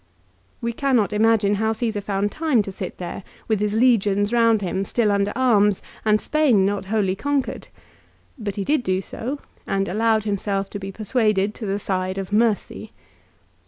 We cannot imagine how Csesar found time to sit there, with his legions round him, still under arms, and Spain not wholly conquered. But he did do so, and allowed himself to be persuaded to the side of mercy.